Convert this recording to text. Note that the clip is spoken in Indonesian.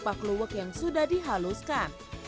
dengan rempah kluwek yang sudah dihaluskan